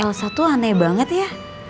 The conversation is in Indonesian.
elsa tuh aneh banget ya